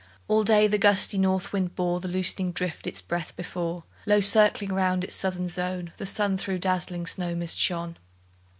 All day the gusty north wind bore The loosening drift its breath before; Low circling round its southern zone, The sun through dazzling snow mist shone.